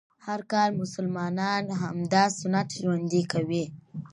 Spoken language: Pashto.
هر کال مسلمانان همدا سنت ژوندی کوي